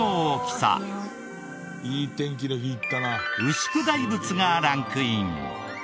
牛久大仏がランクイン。